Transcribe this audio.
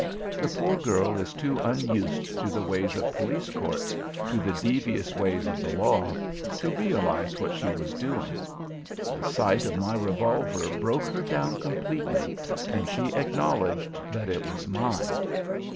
The poor girl is too unused to the ways of police courts, to the devious ways of the law, to realise what she was doing. The sight of my revolver broke her down completely and she acknowledged that it was mine.